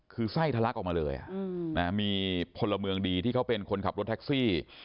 คือไส้ทะลักออกมาเลยมีพลเมืองดีที่เขาเป็นคนขับรถแท็กซี่